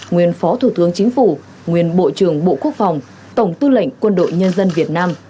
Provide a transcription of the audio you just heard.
nguyên phó thủ tướng chính phủ nguyên bộ trưởng bộ quốc phòng tổng tư lệnh quân đội nhân dân việt nam